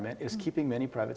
banyak pemerintah pribadi